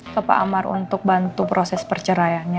ke pak amar untuk bantu proses perceraiannya